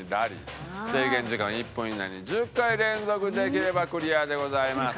制限時間１分以内に１０回連続できればクリアでございます。